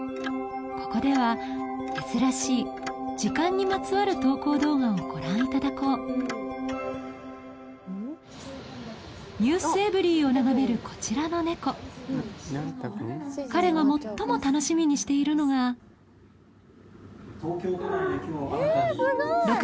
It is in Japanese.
ここでは珍しい時間にまつわる投稿動画をご覧いただこう『ｎｅｗｓｅｖｅｒｙ．』を眺めるこちらの猫彼が最も東京都内で今日新たに。